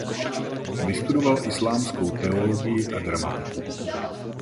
Vystudoval islámskou teologii a gramatiku.